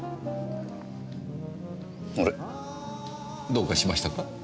どうかしましたか？